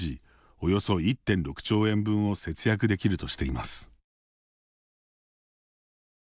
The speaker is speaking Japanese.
およそ１．６兆円分を節約できるとしています。